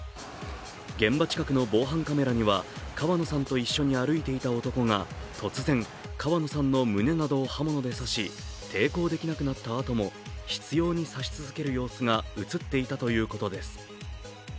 現場近くの防犯カメラには川野さんと一緒に歩いていた男が突然、川野さんの胸などを刃物で刺し、抵抗できなくなったあとも執ように刺し続ける様子が映っていたということです。